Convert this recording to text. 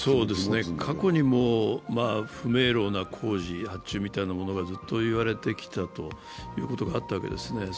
過去にも不明瞭な工事、発注みたいなものがずっと言われてきたわけですね。